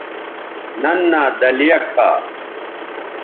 ننھا دلیہ کھا